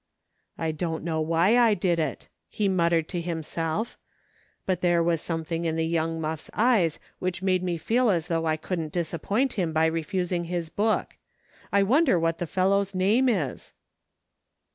♦' I don't know why I did it," he muttered to him self, " but there was something in the young muff's eyes which made me feel as though I couldn't dis appoint him by refusing his book. I wonder what the fellow's name is